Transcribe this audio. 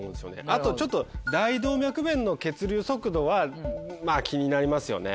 あとちょっと大動脈弁の血流速度はまぁ気になりますよね。